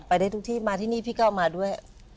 ได้ทุกที่มาที่นี่พี่ก็เอามาด้วย